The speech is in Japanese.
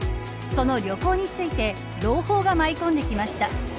その旅行について朗報が舞い込んできました。